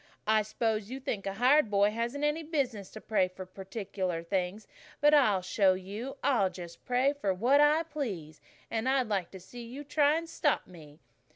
I s'pose you think a hired boy hasn't any business to pray for particular things, but I'll show you. I'll just pray for what I please, and I'd like to see you try and stop me."